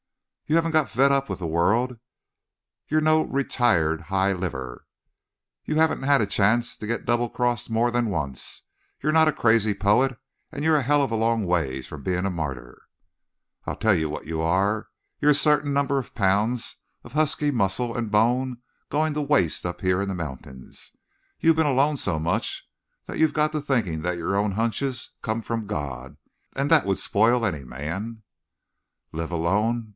"You haven't got fed up with the world; you're no retired high liver; you haven't had a chance to get double crossed more than once; you're not a crazy poet; and you're a hell of a long ways from being a martyr. "I'll tell you what you are. You're a certain number of pounds of husky muscle and bone going to waste up here in the mountains. You've been alone so much that you've got to thinking that your own hunches come from God, and that'd spoil any man. "Live alone?